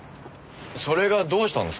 それがどうしたんですか？